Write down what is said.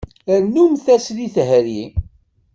Rrnumt-as deg tehri.